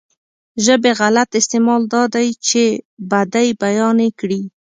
ژبې غلط استعمال دا دی چې بدۍ بيانې کړي.